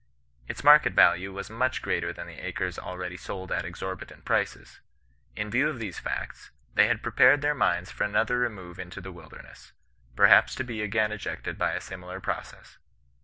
Its market value was much greater than the acres already sold at exorbitant prices. In view of these facts, they had prepared their minds for another remove into the wilderness, perhaps to be again ejected by a similar process.